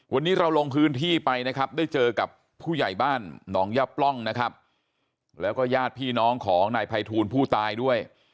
วันนี้เราลงพื้นที่ไปนะครับได้เจอกับผู้ใหญ่บ้านหนองย่าปล้องนะครับแล้วก็ญาติพี่น้องของนายภัยทูลผู้ตายด้วย